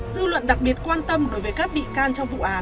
dư luận đặc biệt quan tâm đối với các bị can trong vụ án